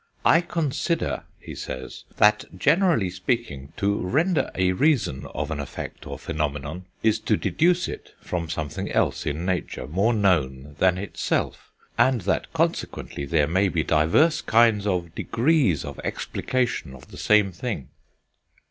"I consider," he says, "that, generally speaking, to render a reason of an effect or phenomenon, is to deduce it from something else in nature more known than itself; and that consequently there may be divers kinds of degrees of explication of the same thing."